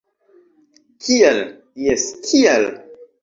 - Kial? - Jes, kial?